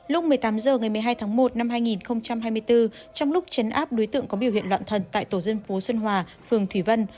lúc một mươi tám h ngày một mươi hai tháng một năm hai nghìn hai mươi bốn trong lúc chấn áp đối tượng có biểu hiện loạn thần tại tổ dân phố xuân hòa phường thủy vân